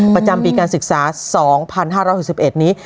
ประจำปีการศึกษา๒๕๖๑นี้